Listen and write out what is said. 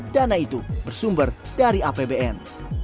dana itu bersumber dari apbn